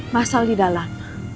mas al di dalam